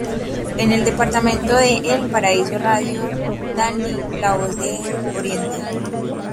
En el departamento de El Paraiso Radio Danlí la voz de oriente.